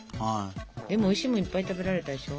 でもおいしいものいっぱい食べられたでしょ。